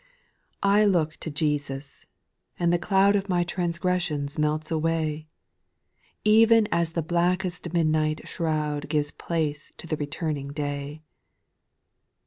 T LOOK to Jesus, and the cloud X Of my transgressions melts away, E'en as the blackest midnight shroud Gives place to the returning day, 2.